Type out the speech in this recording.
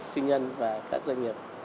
tư nhân và các doanh nghiệp